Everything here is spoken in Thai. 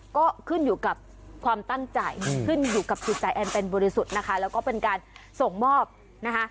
ก็ขึ้นอยู่กับความตั้งใจขึ้นอยู่กับจิตใจแอนเป็นบริสุทธิ์นะคะแล้วก็เป็นการส่งมอบนะคะ